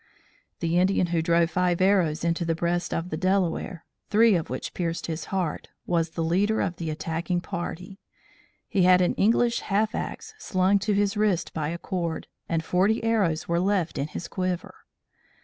The Indian who drove five arrows into the left breast of the Delaware, three of which pierced his heart, was the leader of the attacking party. He had an English half axe slung to his wrist by a cord, and forty arrows were left in his quiver.